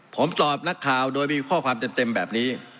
ผมตอบนักข่าวโดยมีข้อความเต็มแบบนี้